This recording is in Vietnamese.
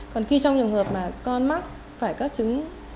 còn khi trong trường hợp mà con mắc phải các chứng